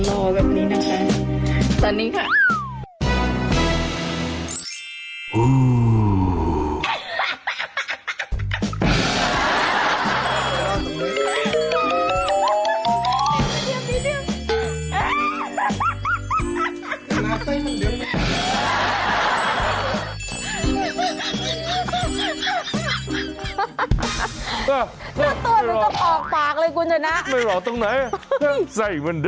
โอ๊ยนี่นะคะทุกคนหัวของเรา